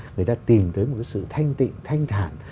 người ta tìm tới một cái sự thanh tịnh thanh thản